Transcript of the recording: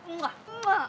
muah muah muah